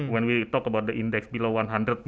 ketika kita bicara tentang indeks di bawah seratus